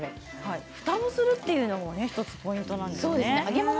ふたをするというのがポイントですね。